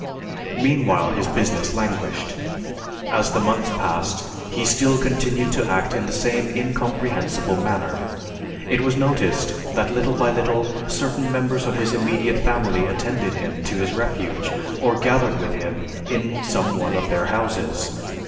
Meanwhile his business languished. As the months passed, he still continued to act in the same incomprehensible manner; it was noticed that little by little certain members of his immediate family attended him to his refuge or gathered with him in some one of their houses.